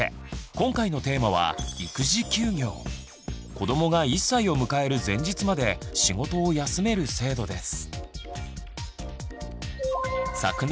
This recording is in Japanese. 今回のテーマは子どもが１歳を迎える前日まで仕事を休める制度です。